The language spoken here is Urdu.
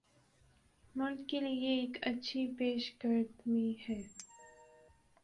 ملک کیلئے یہ ایک اچھی پیش قدمی ہے۔